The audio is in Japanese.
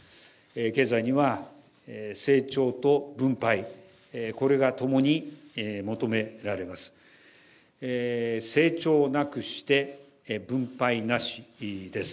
経済には成長と分配、これがともに求められます。